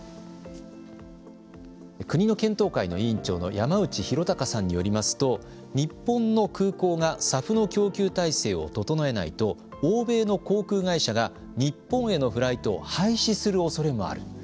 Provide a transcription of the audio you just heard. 国の検討会の委員長の山内弘隆さんによりますと日本の空港がＳＡＦの供給体制を整えないと欧米の航空会社が日本へのフライトを廃止する恐れもある。